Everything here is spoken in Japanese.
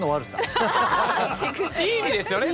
いい意味ですよね。